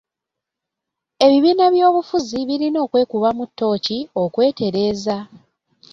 Ebibiina by'oby'obufuzi birina okwekubamu tooki okwetereeza.